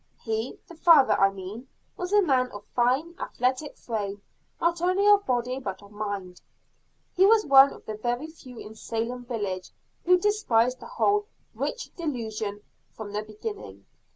He, the father I mean, was a man of fine, athletic frame, not only of body but of mind. He was one of the very few in Salem village who despised the whole witch delusion from the beginning.